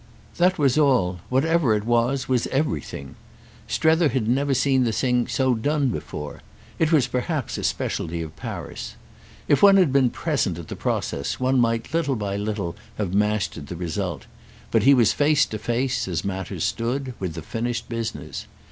That was all; whatever it was it was everything. Strether had never seen the thing so done before—it was perhaps a speciality of Paris. If one had been present at the process one might little by little have mastered the result; but he was face to face, as matters stood, with the finished business.